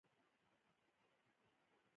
د انار پوستکی د اسهال لپاره وکاروئ